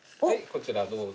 こちらどうぞ。